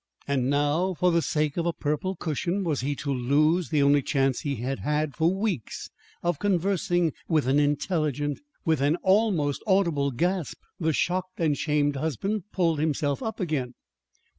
And now, for the sake of a purple cushion, was he to lose the only chance he had had for weeks of conversing with an intelligent With an almost audible gasp the shocked and shamed husband pulled himself up again.